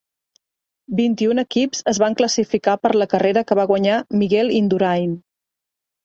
Vint-i-un equips es van classificar per la carrera que va guanyar Miguel Indurain.